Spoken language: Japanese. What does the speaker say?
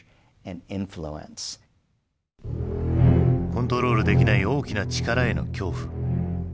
コントロールできない大きな力への恐怖。